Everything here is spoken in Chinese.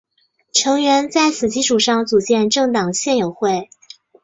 成员在此基础上组建政党宪友会。